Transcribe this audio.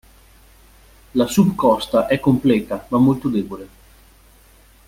La subcosta è completa ma molto debole.